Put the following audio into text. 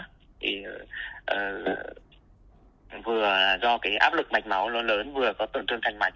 thì vừa do cái áp lực mạch máu nó lớn vừa có tổn thương thành mạnh